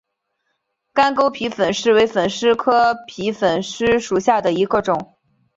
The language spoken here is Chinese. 干沟皮粉虱为粉虱科皮粉虱属下的一个种。